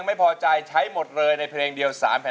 แล้วชิงเลย